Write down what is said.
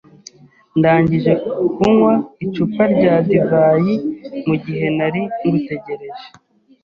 Ndangije kunywa icupa rya divayi mugihe nari ngutegereje.